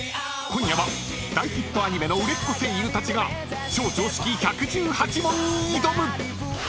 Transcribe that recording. ［今夜は大ヒットアニメの売れっ子声優たちが超常識１１８問に挑む！］